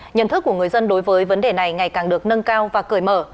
nhận thức của người dân đối với vấn đề này ngày càng được nâng cao và cởi mở